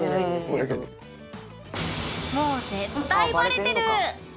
もう絶対バレてる！